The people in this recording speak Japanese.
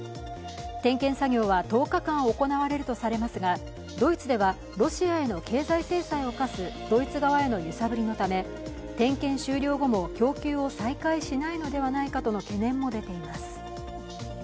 点検作業は１０日間行われるとされますがドイツではロシアへの経済制裁を科すドイツ側への揺さぶりのため、点検終了後も供給を再開しないのではないかとの懸念も出ています。